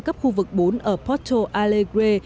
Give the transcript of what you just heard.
cấp khu vực bốn ở porto alegre